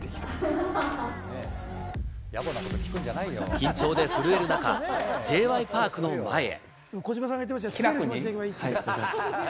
緊張で震える中、Ｊ．Ｙ．Ｐａｒｋの前へ。